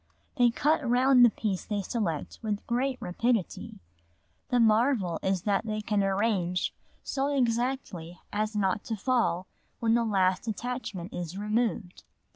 They cut round the piece they select with great rapidity the marvel is that they can arrange so exactly as not to fall when the last attachment is removed.